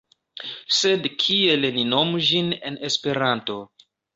Sed kiel ni nomu ĝin en Esperanto?